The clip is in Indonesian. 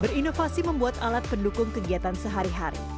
berinovasi membuat alat pendukung kegiatan sehari hari